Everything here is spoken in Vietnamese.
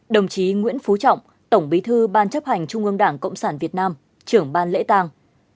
đồng chí nguyễn phú trọng tổng bí thư ban chấp hành trung ương đảng cộng sản việt nam trưởng ban lễ tang